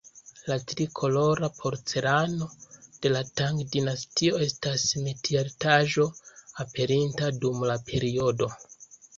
La tri-kolora porcelano de la Tang-dinastio estas metiartaĵo aperinta dum la periodo.